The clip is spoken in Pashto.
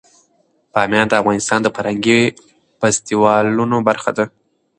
بامیان د افغانستان د فرهنګي فستیوالونو برخه ده.